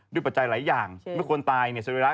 ด้วยปัจจัยหลายอย่างเมื่อคนตายเนี่ย